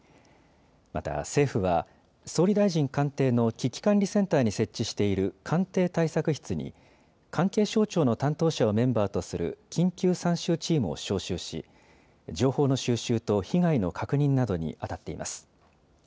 また政府は総理大臣官邸の危機管理センターに設置している官邸対策室に関係省庁の担当者をメンバーとする緊急参集チームを招集し情報の収集と被害の確認などにあたっています。